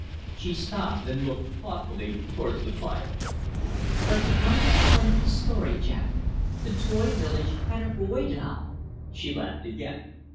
She stopped and looked thoughtfully towards the fire. "But to come to the point of the story, Jack, the toy village had a boy doll!" She laughed again.